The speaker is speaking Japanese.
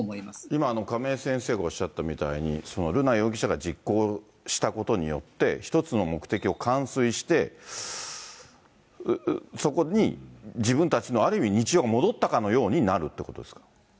今、亀井先生がおっしゃったみたいに、瑠奈容疑者が実行したことによって、一つの目的を完遂して、そこに自分たちのある意味、日常が戻ったかのようになるということですか。